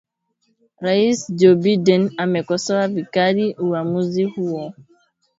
Rais Joe Biden amekosoa vikali uwamuzi huo